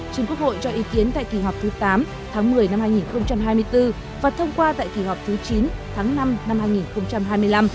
chính quốc hội cho ý kiến tại kỳ họp thứ tám tháng một mươi năm hai nghìn hai mươi bốn và thông qua tại kỳ họp thứ chín tháng năm năm hai nghìn hai mươi năm